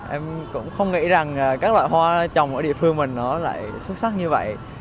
em cũng không nghĩ rằng các loại hoa trồng ở địa phương mình nó lại xuất sắc như vậy